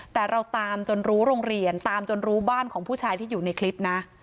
แต่เราตามจนรู้โรงเรียนตามจนรู้บ้านของผู้ชายที่อยู่ในคลิปนะ